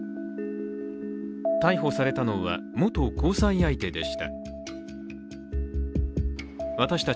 逮捕されたのは元交際相手でした。